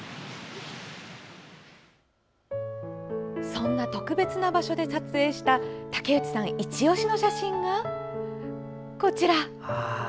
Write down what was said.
そんな特別な場所で撮影した竹内さんいちオシの写真がこちら。